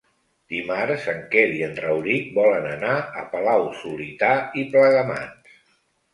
Dimarts en Quer i en Rauric volen anar a Palau-solità i Plegamans.